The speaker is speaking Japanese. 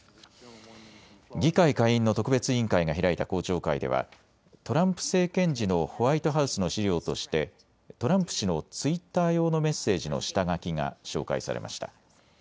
議会下院の特別委員会が開いた公聴会ではトランプ政権時のホワイトハウスの資料としてトランプ氏のツイッター用のメッセージの下書きが紹介されました。